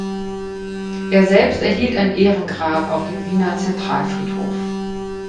Er selbst erhielt ein Ehrengrab auf dem Wiener Zentralfriedhof.